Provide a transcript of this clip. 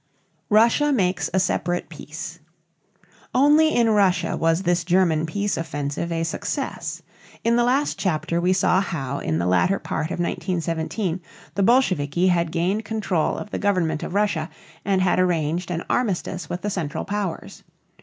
RUSSIA MAKES A SEPARATE PEACE. Only in Russia was this German peace offensive a success. In the last chapter we saw how in the latter part of 1917 the Bolsheviki had gained control of the government of Russia and had arranged an armistice with the Central Powers.